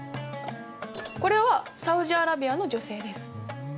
これはサウジアラビアの女性です。